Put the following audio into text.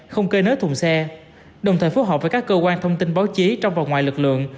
không cơi nới thùng xe đồng thời phối hợp với các cơ quan thông tin báo chí trong và ngoài lực lượng